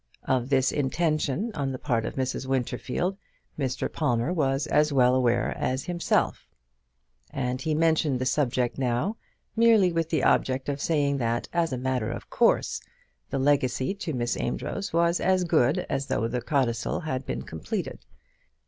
Of this intention on the part of Mrs. Winterfield, Mr. Palmer was as well aware as himself; and he mentioned the subject now, merely with the object of saying that, as a matter of course, the legacy to Miss Amedroz was as good as though the codicil had been completed.